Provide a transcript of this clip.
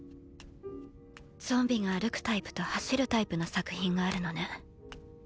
ゾンビが歩くタイプと走るタイプの作品があるのね。